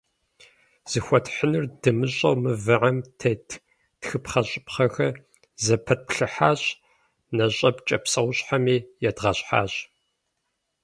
Зыхуэтхьынур дымыщӏэу мывэм тет тхыпхъэщӏыпхъэхэр зэпэтплъыхьащ, нэщӏэпкӏэ псэущхьэми едгъэщхьащ.